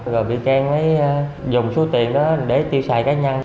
rồi bị khen dùng số tiền đó để tiêu xài cá nhân